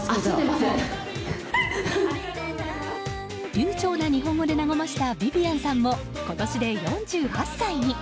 流暢な日本語で和ましたビビアンさんも今年で４８歳に。